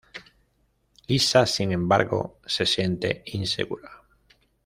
Lisa, sin embargo, se siente insegura.